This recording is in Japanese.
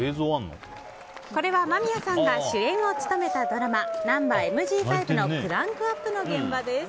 これは間宮さんが主演を務めたドラマ「ナンバＭＧ５」のクランクアップの現場です。